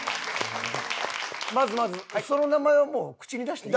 まずまずその名前はもう口に出していいんですか？